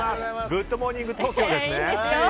グッドモーニング東京ですね。